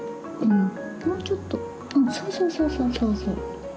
もうちょっとそうそうそうそうそう。